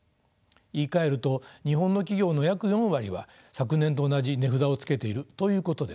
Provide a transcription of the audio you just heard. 言いかえると日本の企業の約４割は昨年と同じ値札をつけているということです。